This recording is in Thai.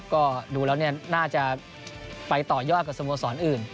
ก็ดูแล้วน่าจะไปต่อยอดกับสโมสรอื่น